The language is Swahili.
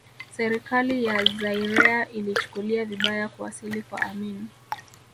Serikali ya Zairea ilichukulia vibaya kuwasili kwa Amin